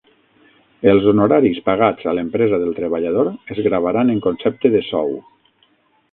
Els honoraris pagats a l'empresa del treballador es gravaran en concepte de sou.